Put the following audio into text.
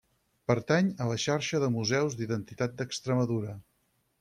Pertany a la xarxa de Museus d'Identitat d'Extremadura.